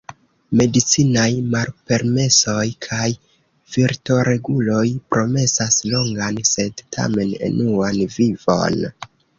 Medicinaj malpermesoj kaj virtoreguloj promesas longan sed tamen enuan vivon.